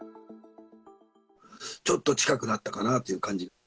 ちょっと近くなったかなという感じ。